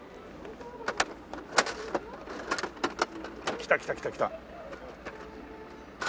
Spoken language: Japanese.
来た来た来た来た。